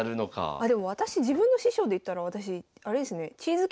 あでも私自分の師匠でいったら私あれですね